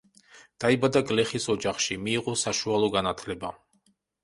დაიბადა გლეხის ოჯახში, მიიღო საშუალო განათლება.